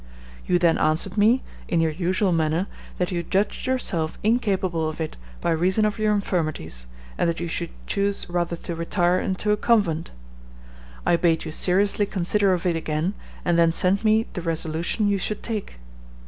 You then answered me, in your usual manner, that you judged yourself incapable of it by reason of your infirmities, and that you should choose rather to retire into a convent. I bade you seriously consider of it again, and then send me the resolution you should take.